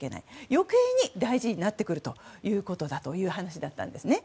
余計に大事になってくるという話だったんですね。